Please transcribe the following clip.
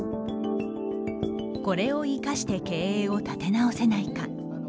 これを生かして経営を立て直せないか。